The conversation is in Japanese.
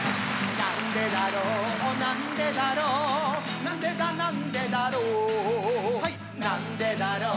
なんでだろうなんでだろうなんでだなんでだろうはいなんでだろう